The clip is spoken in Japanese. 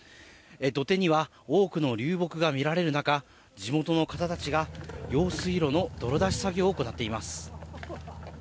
土手には多くの流木が見られる中、地元の方たちが用水路の泥出し作業を行っています。